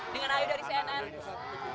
dengan ayu dari cnn